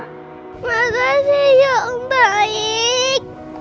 makasih ya om baik